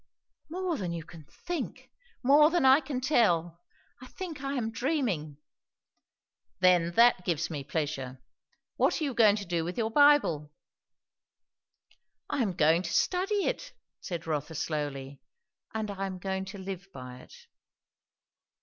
"More than you can think more than I can tell. I think I am dreaming!" "Then that gives me pleasure. What are you going to do with your Bible?" "I am going to study it " said Rotha slowly; "and I am going to live by it."